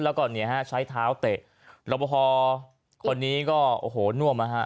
แล้วก็เนี่ยฮะใช้เท้าเตะรับประพอคนนี้ก็โอ้โหน่วมนะฮะ